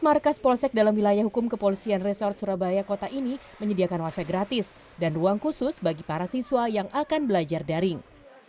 markas polsek dalam wilayah hukum kepolisian resort surabaya kota ini menyediakan wifi gratis dan ruang khusus bagi para siswa yang akan belajar daring